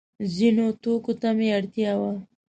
ځینو توکو ته مې اړتیا وه.